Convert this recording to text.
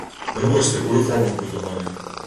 Мы вось такую форму прыдумалі.